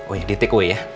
oh ya di take away ya